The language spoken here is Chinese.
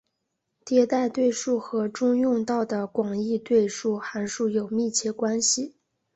迭代对数和中用到的广义对数函数有密切关系。